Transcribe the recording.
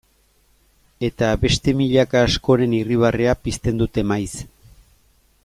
Eta beste milaka askoren irribarrea pizten dute maiz.